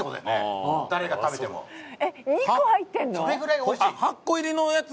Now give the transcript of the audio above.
それぐらい美味しい。